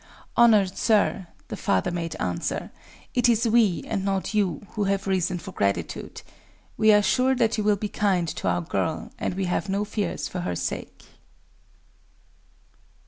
"Honored Sir," the father made answer, "it is we, and not you, who have reason for gratitude. We are sure that you will be kind to our girl; and we have no fears for her sake."...